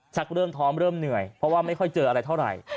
เริ่มท้องเริ่มเหนื่อยเพราะว่าไม่ค่อยเจออะไรเท่าไหร่